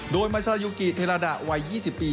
โดยมาซายุกิเทลาดะวัย๒๐ปี